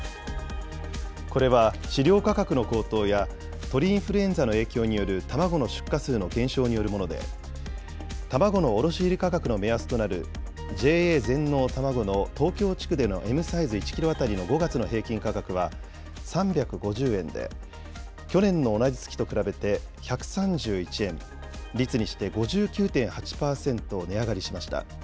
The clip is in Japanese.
これは飼料価格の高騰や、鳥インフルエンザの影響による卵の出荷数の減少によるもので、卵の卸売価格の目安となるＪＡ全農たまごの東京地区でのＭサイズ１キロ当たりの５月の平均価格は３５０円で、去年の同じ月と比べて１３１円、率にして５９．８％値上がりしました。